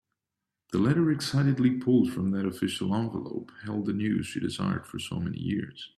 The letter excitedly pulled from that official envelope held the news she desired for so many years.